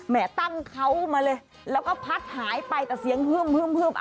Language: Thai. ตั้งเขามาเลยแล้วก็พัดหายไปแต่เสียงฮึ่ม